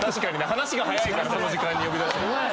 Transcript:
話が早いからその時間に呼び出す。